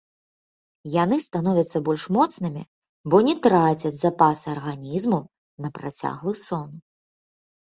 Яны становяцца больш моцнымі, бо не трацяць запасы арганізму на працяглы сон.